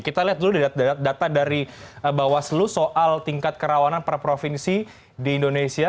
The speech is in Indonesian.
kita lihat dulu data dari bawaslu soal tingkat kerawanan per provinsi di indonesia